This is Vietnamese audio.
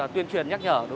tuyên truyền nhắc nhở